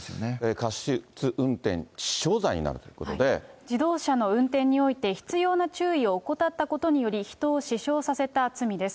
過失運転致死傷罪になるということで、自動車の運転において、必要な注意を怠ったことにより、人を死傷させた罪です。